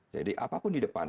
jadi apapun di depan